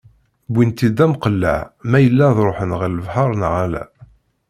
Wwin-tt-id d amqelleɛ ma yella ad ruḥen ɣer lebḥer neɣ ala.